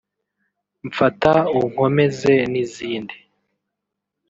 Mfata unkomeze’ n’izindi